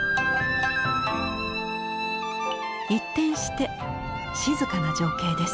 一転して静かな情景です。